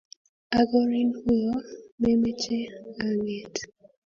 akorin kuyo memeche anget